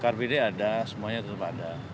car free day ada semuanya tetap ada